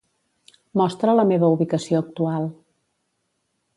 Mostra la meva ubicació actual.